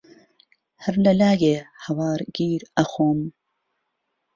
ههر له لایێ ههوار گیر ئهخۆم